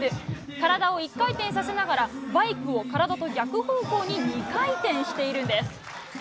体を１回転させながらバイクを体と逆方向に２回転しているんです。